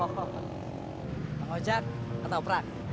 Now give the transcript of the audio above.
pak ojak ke toprak